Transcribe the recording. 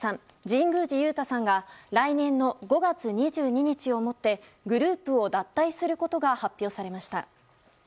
神宮寺勇太さんが来年の５月２２日をもってグループを脱退することが発表されました。